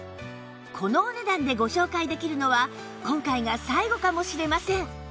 このお値段でご紹介できるのは今回が最後かもしれません